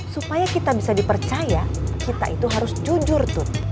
supaya kita bisa dipercaya kita itu harus jujur tuh